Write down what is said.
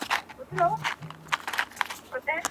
په پانوس کي به لا ګرځي د سوځلي وزر سیوري ..